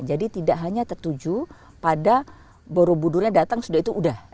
jadi tidak hanya tertuju pada borobudurnya datang sudah itu sudah